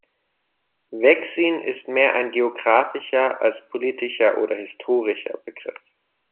Vexin ist mehr ein geografischer als politischer oder historischer Begriff.